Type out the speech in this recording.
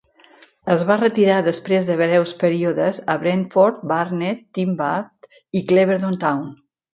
Es va retirar després de breus períodes a Brentford, Barnet, Team Bath i Clevedon Town.